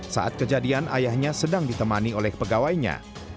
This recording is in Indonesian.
saat kejadian ayahnya sedang ditemani oleh pegawainya